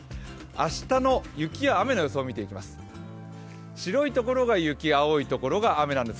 明日の雪や雨の予想を見ていきます。